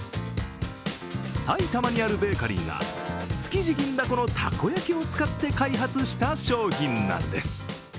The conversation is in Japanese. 埼玉にあるベーカリーが築地銀だこのたこ焼きを使って開発した商品なんです。